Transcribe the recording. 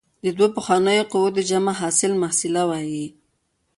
د دوو پخوانیو قوو د جمع حاصل محصله وايي.